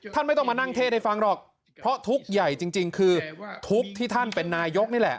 ไม่ต้องมานั่งเทศให้ฟังหรอกเพราะทุกข์ใหญ่จริงคือทุกข์ที่ท่านเป็นนายกนี่แหละ